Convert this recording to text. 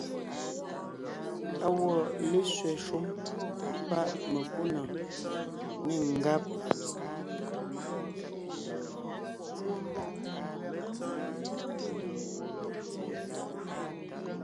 Á wɔ́ lésẅɛ shúm páʼ mekúnɔ̀ɔn, nê ngáb.